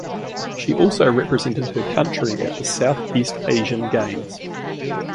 She also represented her country at the Southeast Asian Games.